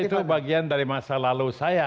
itu bagian dari masa lalu saya